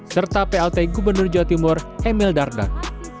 serta plt gubernur jawa timur emil dardak